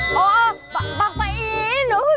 มาปะกงวันนี้ชักเธอเซานู้น